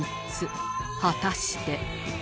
果たして